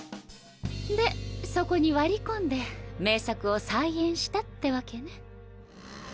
でそこに割り込んで名作を再演したってわけね。